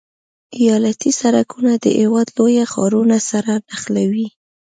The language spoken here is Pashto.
ایالتي سرکونه د هېواد لوی ښارونه سره نښلوي